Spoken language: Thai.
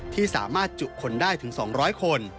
ที่สามารถจุคนได้ถึง๒๐๐คน